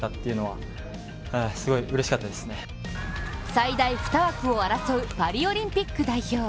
最大２枠を争うパリオリンピック代表。